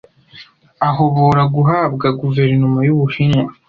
ahobora guhabwa guverinoma yUbuhinwa,